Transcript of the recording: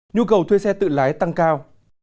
nhu cầu thuê xe tự lái tăng cao